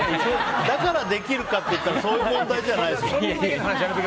だからできるかっていったらそういう問題じゃないです。